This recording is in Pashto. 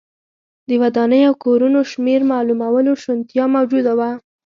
د ودانیو او کورونو شمېر معلومولو شونتیا موجوده وه